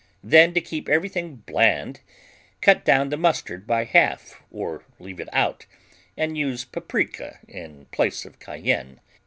Then, to keep everything bland, cut down the mustard by half or leave it out, and use paprika in place of cayenne.